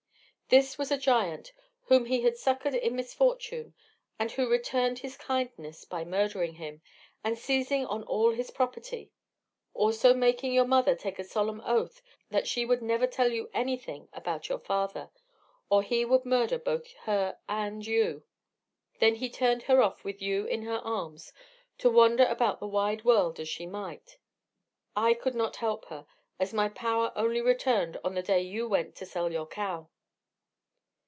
This was a giant, whom he had succoured in misfortune, and who returned his kindness by murdering him, and seizing on all his property; also making your mother take a solemn oath that she would never tell you anything about your father, or he would murder both her and you. Then he turned her off with you in her arms, to wander about the wide world as she might. I could not help her, as my power only returned on the day you went to sell your cow."